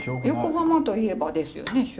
横浜といえばですよね